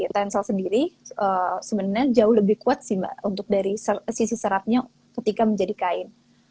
tensel sendiri sebenarnya jauh lebih kuat sih mbak untuk dari sisi seratnya ketika menjadi kain